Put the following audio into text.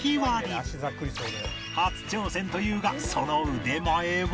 初挑戦というがその腕前は？